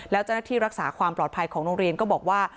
แล้วเจ้าหน้าที่รักษาความปลอดภัยของโรงเรียนก็บอกว่า